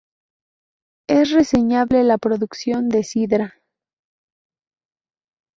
Es reseñable la producción de sidra.